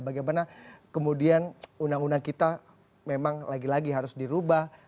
bagaimana kemudian undang undang kita memang lagi lagi harus dirubah